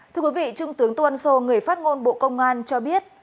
thưa quý vị trung tướng tôn sô người phát ngôn bộ công an cho biết